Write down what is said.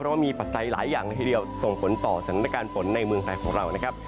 เพราะว่ามีปัจจัยหลายอย่างละทีเดียวส่งผลต่อสถานการณ์ฝนในเมืองไทยของเรานะครับ